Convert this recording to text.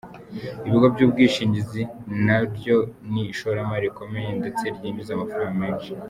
Ibigo by’ubwishingizi naryo ni ishoramari rikomeye ndetse ryinjiza amafaranga menshi.